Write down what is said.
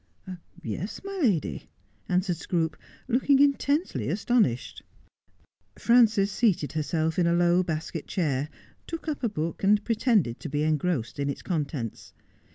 ' Yes, my lady,' answered Scroope, looking intensely aston ished. Frances seated herself in a low basket chair, took up a book, a.nd pretended to be engrossed in its contents.